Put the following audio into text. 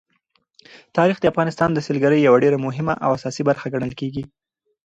تاریخ د افغانستان د سیلګرۍ یوه ډېره مهمه او اساسي برخه ګڼل کېږي.